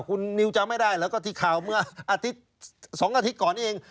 คุณนิวจำไม่ได้เหรอก็ที่ข่าวเมื่ออาทิตย์๒อาทิตย์ก่อนนี้เอง